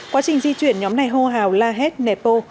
quá trình di chuyển nhóm này hô hào la hét nẹp bô